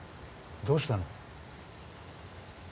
どうしたの。